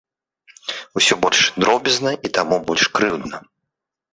Усё больш дробязна і таму больш крыўдна.